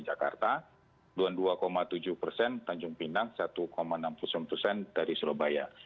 jakarta dua puluh dua tujuh persen tanjung pinang satu enam puluh sembilan persen dari surabaya